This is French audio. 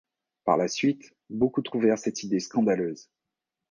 Par la suite, beaucoup trouvèrent cette idée scandaleuse.